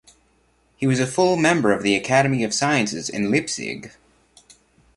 He was a full member of the Academy of Sciences in Leipzig.